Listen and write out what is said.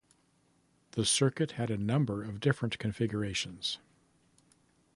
The circuit had a number of different configurations.